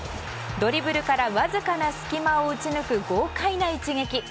ドリブルからわずかな隙間を打ち抜く豪快な一撃。